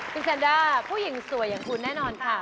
คุณแซนด้าผู้หญิงสวยอย่างคุณแน่นอนค่ะ